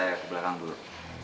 saya ke belakang dulu